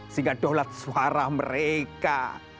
sehingga daulat suara mereka